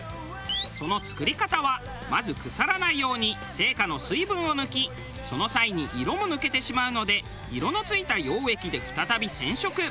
その作り方はまず腐らないように生花の水分を抜きその際に色も抜けてしまうので色の付いた溶液で再び染色。